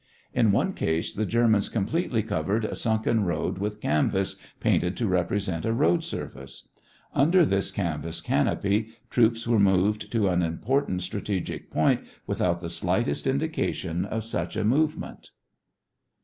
In one case, the Germans completely covered a sunken road with canvas painted to represent a road surface. Under this canvas canopy, troops were moved to an important strategic point without the slightest indication of such a movement.